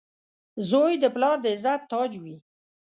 • زوی د پلار د عزت تاج وي.